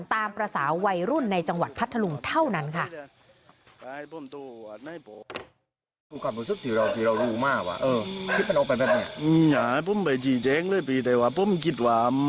ตามภาษาวัยรุ่นในจังหวัดพัทธลุงเท่านั้นค่ะ